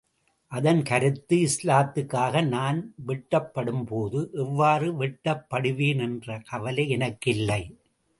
அதன் கருத்து இஸ்லாத்துக்காக நான் வெட்டப்படும் போது, எவ்வாறு வெட்டப்படுவேன் என்ற கவலை எனக்கு இல்லை.